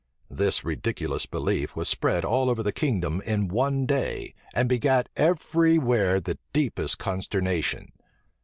This ridiculous belief was spread all over the kingdom in one day, and begat every where the deepest consternation.